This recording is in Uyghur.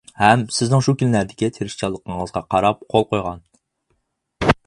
ھەم سىزنىڭ شۇ كۈنلەردىكى تىرىشچانلىقىڭىزغا قاراپ قول قويغان.